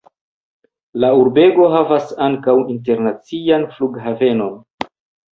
La urbego havas ankaŭ internacian flughavenon.